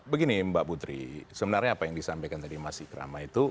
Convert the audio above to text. begini mbak putri sebenarnya apa yang disampaikan tadi mas ikrama itu